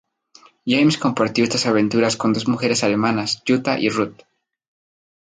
James compartió estas aventuras con dos mujeres alemanas, Jutta y Ruth.